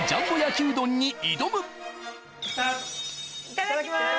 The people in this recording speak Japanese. いただきます！